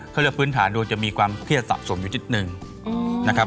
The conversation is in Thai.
เขาเรียกพื้นฐานดวงจะมีความเครียดสะสมอยู่นิดนึงนะครับ